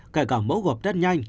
kể cả mẫu gọp tết nhanh